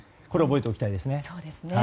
覚えておきたいですね。